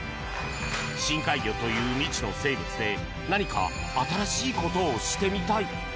深海魚という未知の生物で何か新しいことをしてみたい。